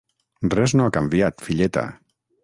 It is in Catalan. Res no ha canviat, filleta!